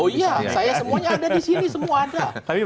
oh ya saya semuanya ada disini